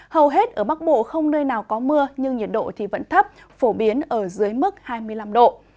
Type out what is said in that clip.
hầu hết ở bắc bộ không nơi nào có mưa nhưng nhiệt độ vẫn thấp phổ biến ở dưới mức hai mươi năm độ